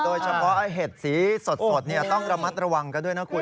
เฉพาะเห็ดสีสดต้องระมัดระวังกันด้วยนะคุณ